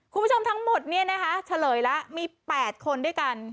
คุณผู้ชมทั้งหมดเนี่ยนะคะเฉลยแล้วมี๘คนด้วยกัน